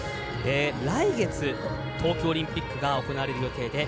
来月、東京オリンピックが行われる予定です。